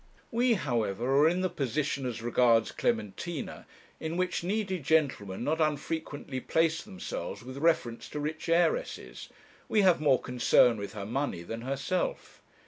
We, however, are in the position, as regards Clementina, in which needy gentlemen not unfrequently place themselves with reference to rich heiresses. We have more concern with her money than herself.